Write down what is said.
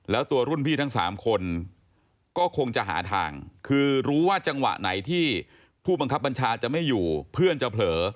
แล้วตัวรุ่นพี่ทั้ง๓คนก็คงจะหาทางคือรู้ว่าจังหวะไหนที่ผู้บังคับบัญชาจะไม่อยู่เพื่อนจะเผลอ